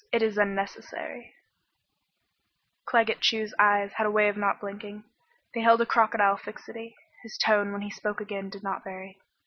But it is unnecessary " Claggett Chew's eyes had a way of not blinking. They held a crocodile fixity. His tone, when he spoke again, did not vary.